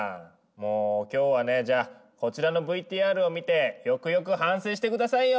もうきょうはねじゃあこちらのＶＴＲを見てよくよく反省してくださいよ！